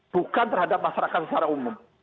bukan terhadap masyarakat secara umum